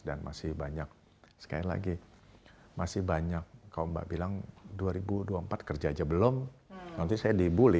dan masih banyak sekali lagi masih banyak kau mbak bilang dua ribu dua puluh empat kerja aja belum nanti saya dibully